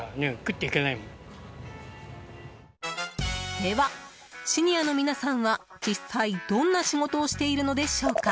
では、シニアの皆さんは実際、どんな仕事をしているのでしょうか？